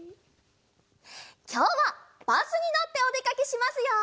きょうはバスにのっておでかけしますよ。